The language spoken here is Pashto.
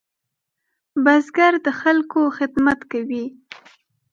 بزګر د خلکو خدمت کوي